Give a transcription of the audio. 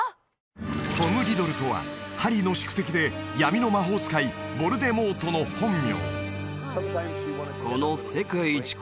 トム・リドルとはハリーの宿敵で闇の魔法使いヴォルデモートの本名